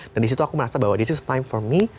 dan disitu aku merasa bahwa this is time for me